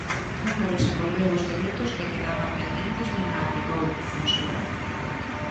"Nunca desenvolveu os decretos que quedaban pendentes nin a aplicou", censura.